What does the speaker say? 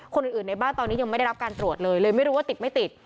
คนอื่นในบ้านตอนนี้ยังไม่ได้รับการตรวจเลยเลยไม่รู้ว่าติดไม่ติด